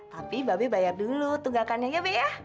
tapi mbak be bayar dulu tunggakannya ya be ya